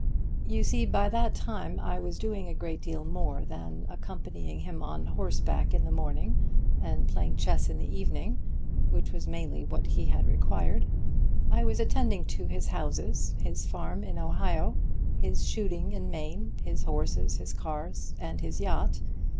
"You see, by that time I was doing a great deal more than accompany him on horseback in the morning and play chess in the evening, which was mainly what he had required. I was attending to his houses, his farm in Ohio, his shooting in Maine, his horses, his cars and his yacht.